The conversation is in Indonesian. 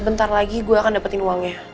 bentar lagi gue akan dapetin uangnya